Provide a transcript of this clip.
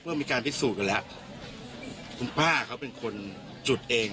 เพื่อมีการพิสูจน์ก็แล้วคุณพ่าเขาเป็นคนจุดเอง